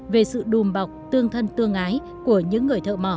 về sự đùm bọc tương thân tương ái của những người thợ mỏ